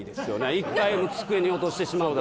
１回机に落としてしまうと。